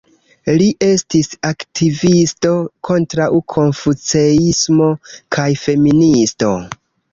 Li estis aktivisto kontraŭ konfuceismo kaj feministo.